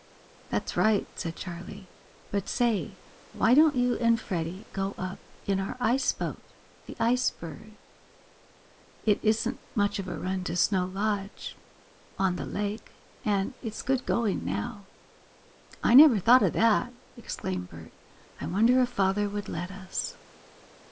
"That's right," said Charley. "But say, why don't you and Freddie go up in our ice boat, the Ice Bird? It isn't much of a run to Snow Lodge, on the lake, and it's good going now." "I never thought of that!" exclaimed Bert. "I wonder if father would let us?"